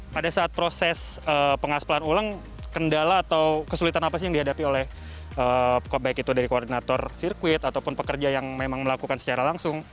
pada saat proses pengaspalan ulang kendala atau kesulitan apa sih yang dihadapi oleh baik itu dari koordinator sirkuit ataupun pekerja yang memang melakukan secara langsung